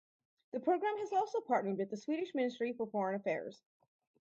The program has also partnered with the Swedish Ministry for Foreign Affairs.